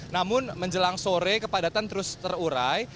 namun menjelang sore kepadatan terus terurai